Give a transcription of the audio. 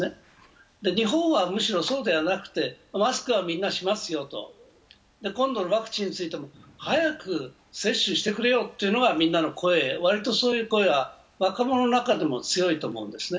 日本はむしろそうではなくて、マスクはみんなしますよと、今度のワクチンについても早く接種してくれよというのがみんなの声、わりとそういう声は若者の中でも強いと思うんですね。